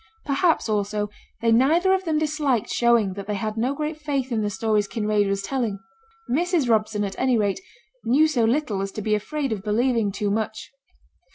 Perhaps, also, they neither of them disliked showing that they had no great faith in the stories Kinraid was telling. Mrs. Robson, at any rate, knew so little as to be afraid of believing too much.